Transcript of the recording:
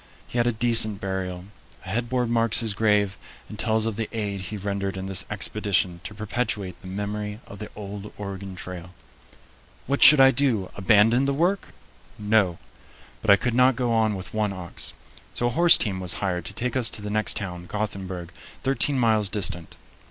He had a decent burial. A headboard marks his grave and tells of the aid he rendered in this expedition to perpetuate the memory of the old Oregon Trail. [Illustration: Twist, a noble animal.] What should I do abandon the work? No. But I could not go on with one ox. So a horse team was hired to take us to the next town, Gothenburg, thirteen miles distant.